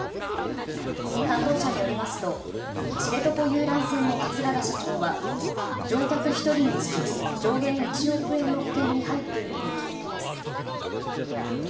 担当者によりますと、知床遊覧船の桂田社長は、乗客１人につき上限１億円の保険に入っているということです。